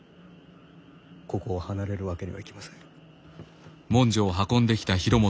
ここを離れるわけにはいきません。